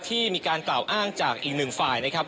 ที่มีการกล่าวอ้างจากอีกหนึ่งฝ่ายนะครับ